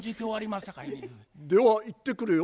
ではいってくるよ。